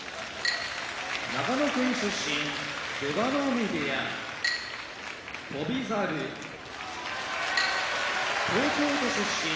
長野県出身出羽海部屋翔猿東京都出身